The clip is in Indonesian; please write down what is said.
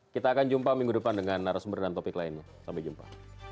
kita akan jumpa minggu depan dengan narasumber dan topik lainnya sampai jumpa